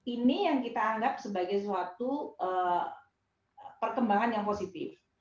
ini yang kita anggap sebagai suatu perkembangan yang positif